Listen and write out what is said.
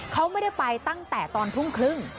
เขาไม่ได้ไปตั้งแต่ตอนทุ่มครึ่ง